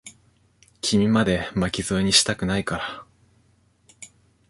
君まで、巻き添えにしたくないから。